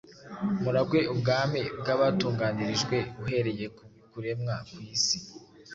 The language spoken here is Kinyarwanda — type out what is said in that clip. muragwe ubwami bwabatunganirijwe, uhereye ku kuremwa kw’isi.”